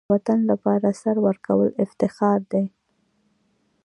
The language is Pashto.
د وطن لپاره سر ورکول افتخار دی.